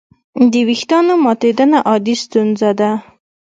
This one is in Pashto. د وېښتیانو ماتېدنه عادي ستونزه ده.